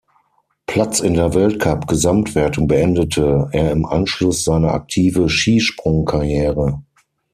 Platz in der Weltcup-Gesamtwertung beendete er im Anschluss seine aktive Skisprungkarriere.